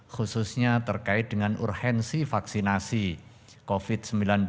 khususnya terkait dengan urgensi vaksinasi covid sembilan belas